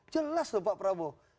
jelas loh pak prabowo